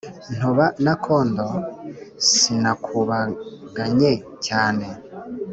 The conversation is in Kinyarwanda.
Ntoba n ' akondo sinakubaganye cyane